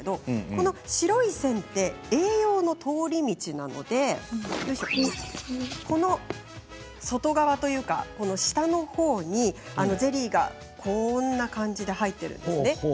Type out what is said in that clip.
この白い線が栄養の通り道なのでこの外側というか、下のほうにゼリーがこんな感じで入っているんです。